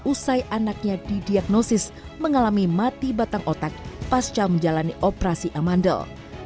usai anaknya didiagnosis mengalami mati batang otak pasca menjalani operasi amandel